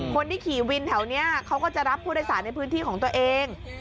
คนที่ขี่วินแถวนี้เขาก็จะรับผู้โดยสารในพื้นที่ของตัวเอง